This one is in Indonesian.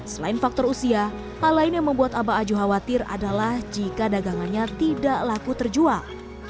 selain faktor usia hal lain yang membuat abah aju khawatir adalah jika dagangannya tidak laku terjual